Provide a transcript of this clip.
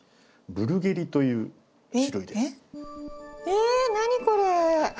えっ何これ？